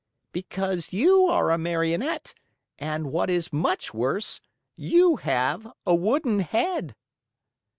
"Because you are a Marionette and, what is much worse, you have a wooden head."